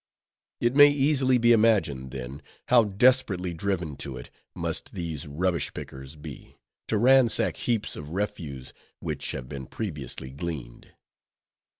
It may easily be imagined, then, how desperately driven to it must these rubbish pickers be, to ransack heaps of refuse which have been previously gleaned.